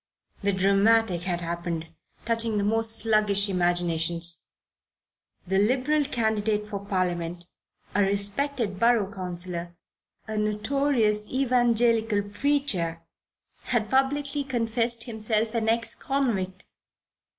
The dramatic had happened, touching the most sluggish imaginations. The Liberal candidate for Parliament, a respected Borough Councillor, a notorious Evangelical preacher, had publicly confessed himself an ex convict.